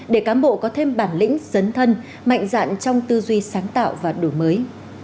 để cán bộ có thêm bản lĩnh dấn thân mạnh dạn trong tư duy sáng tạo và đổi mới